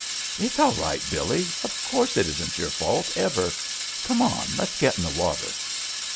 "It's all right, Billee. Of course it isn't your fault — ever. Come on, let's get in the water."